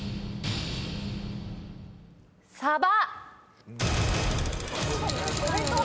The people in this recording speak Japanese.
サバ。